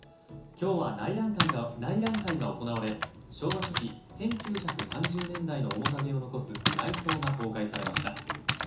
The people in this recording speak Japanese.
今日は内覧会が行われ昭和初期１９３０年代の面影を残す内装が公開されました。